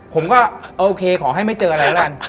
ผมก็โอเคขอให้ไม่เจออะไรก็ได้